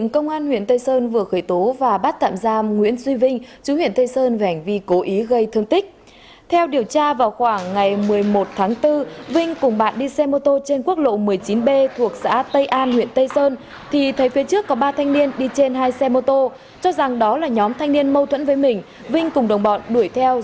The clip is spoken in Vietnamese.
các bạn hãy đăng ký kênh để ủng hộ kênh của chúng mình nhé